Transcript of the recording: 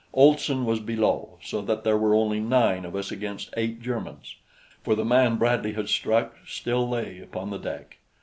Olson was below, so that there were only nine of us against eight Germans, for the man Bradley had struck still lay upon the deck.